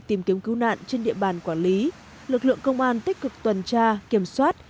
tìm kiếm cứu nạn trên địa bàn quản lý lực lượng công an tích cực tuần tra kiểm soát